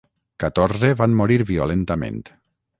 Catorze van morir violentament.